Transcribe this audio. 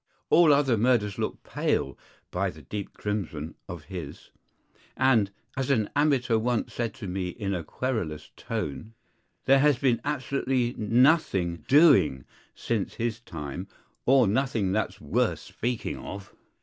All other murders look pale by the deep crimson of his; and, as an amateur once said to me in a querulous tone, "There has been absolutely nothing doing since his time, or nothing that's worth speaking of."